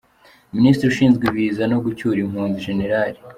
Minisitiri ushinzwe Ibiza no gucyura impunzi, Gen.